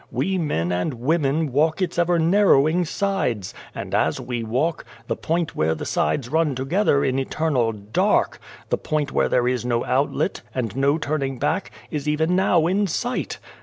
We men and women walk its ever narrowing sides ; and as we walk, the point where the sides run together in eternal dark the point where there is no outlet, and no turn ing back, is even now in sight.